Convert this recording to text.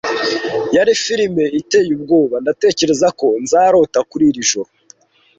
Yari firime iteye ubwoba. Ndatekereza ko nzarota kuri iri joro.